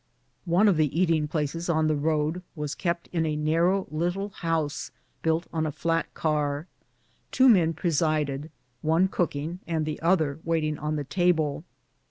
One of the eating places on the road was kept in a narrow little house, built on a flat car. Two men presided, one cooking and the other waiting on the table.